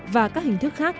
và các hình thức khác